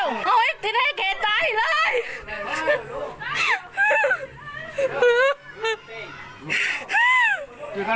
โอ้ยที่นี่แก่ใจเลย